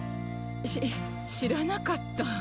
し知らなかった。